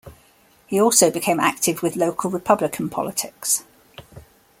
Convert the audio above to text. He also became active with local Republican politics.